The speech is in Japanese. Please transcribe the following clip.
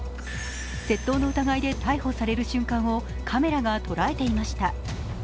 窃盗の疑いで逮捕される瞬間をカメラが捉えていました。